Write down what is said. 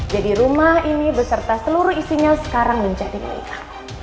jadi rumah ini beserta seluruh isinya sekarang menjadi mereka